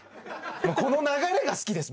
もうこの流れが好きです